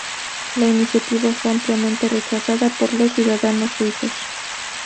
La iniciativa fue ampliamente rechazada por los ciudadanos suizos.